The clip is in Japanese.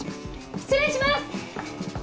失礼します！